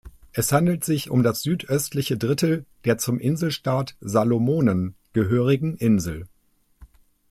Es handelt sich um das südöstliche Drittel der zum Inselstaat Salomonen gehörigen Insel.